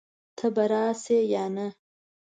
ته به راشې يا نه؟